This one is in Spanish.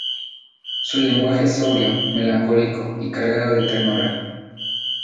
Su lenguaje es sobrio, melancólico y cargado de ternura.